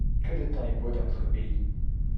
Que le temps est beau dans votre pays !